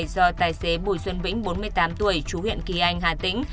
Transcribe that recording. do tài xế bùi xuân vĩnh bốn mươi tám tuổi chú huyện kỳ anh hà tĩnh